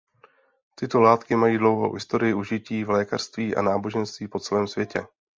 Tyto látky mají dlouhou historii užití v lékařství a náboženství po celém světě.